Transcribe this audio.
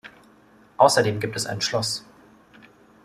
Außerdem gibt es ein Schloss.